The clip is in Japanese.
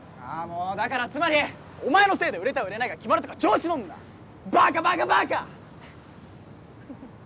もうだからつまり！お前のせいで売れた売れないが決まるとか調子乗るなバーカバーカバーカ！